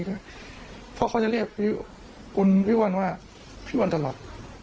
เพราะเขาจะเรียกคุณพี่วันว่าพี่วันตลอด